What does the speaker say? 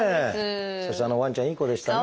そしてあのワンちゃんいい子でしたね。